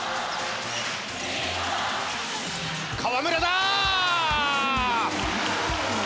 河村だ！